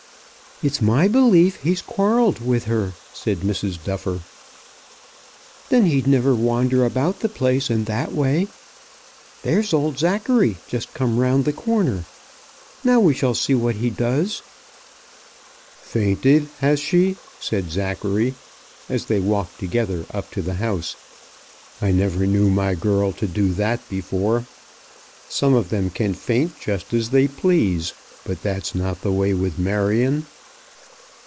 "It's my belief he's quarrelled with her," said Mrs. Duffer. "Then he'd never wander about the place in that way. There's old Zachary just come round the corner. Now we shall see what he does." "Fainted, has she?" said Zachary, as they walked together up to the house. "I never knew my girl do that before. Some of them can faint just as they please; but that's not the way with Marion."